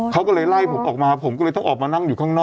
เขาก็เลยไล่ผมออกมาผมก็เลยต้องออกมานั่งอยู่ข้างนอก